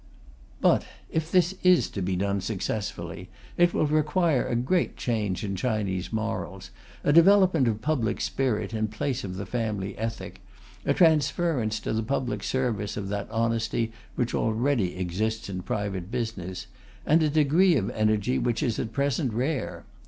But if this is to be done successfully, it will require a great change in Chinese morals, a development of public spirit in place of the family ethic, a transference to the public service of that honesty which already exists in private business, and a degree of energy which is at present rare.